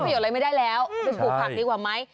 ปลูกผักได้ไหม